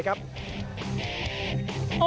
ยังไหลบ้นเวทีเลยครับ